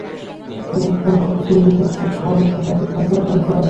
যেমন সুবর্ণতে দুটি AC coach, হাওর এক্সপ্রেসে একটি শোভন চেয়ারসংযোজন করা হয়েছে।